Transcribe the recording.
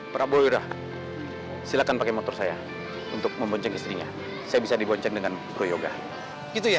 prabowo silakan pakai motor saya untuk membonceng istrinya saya bisa dibonceng dengan proyoga gitu ya